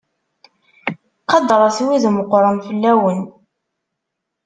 Qadret wid meqqren fell-awen.